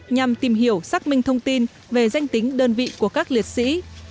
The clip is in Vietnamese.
nhằm tìm hiểu xác minh thông tin về danh tính đơn vị của các liệt sĩ